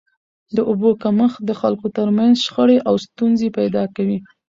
د اوبو کمښت د خلکو تر منځ شخړي او ستونزي پیدا کوي.